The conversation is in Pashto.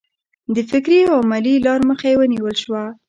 د فکري او علمي لار مخه یې ونه نیول شوه.